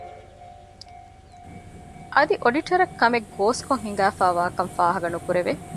އަދި އޮޑިޓަރަށް ކަމެއްގޯސްކޮށް ހިނގާފައިވާކަން ފާހަގަނުކުރެވެ